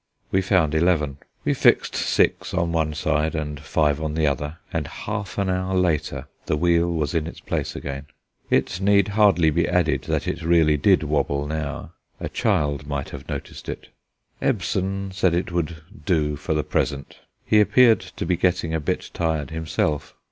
We found eleven. We fixed six on one side and five on the other, and half an hour later the wheel was in its place again. It need hardly be added that it really did wobble now; a child might have noticed it. Ebbson said it would do for the present. He appeared to be getting a bit tired himself.